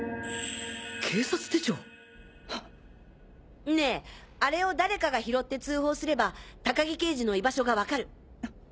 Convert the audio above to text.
警察手帳⁉ねぇあれを誰かが拾って通報すれば高木刑事の居場所が分かる。